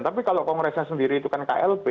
tapi kalau kongresnya sendiri itu kan klb